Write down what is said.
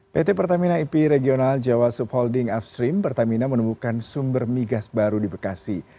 pt pertamina ip regional jawa subholding upstream pertamina menemukan sumber migas baru di bekasi